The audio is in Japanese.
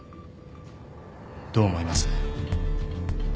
どう思います？